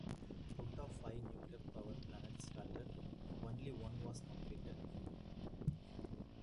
Out of five nuclear power plants started, only one was completed.